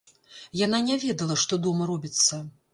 Яна не ведала, што дома робіцца.